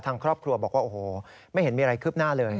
ทางครอบครัวบอกว่าโอ้โหไม่เห็นมีอะไรคืบหน้าเลย